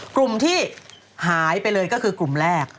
กลุ่มที่หายไปเลยก็คือกลุ่มแรก